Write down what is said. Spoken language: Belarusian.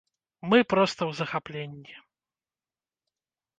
Мы проста ў захапленні!